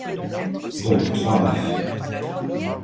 Donc trois nefs.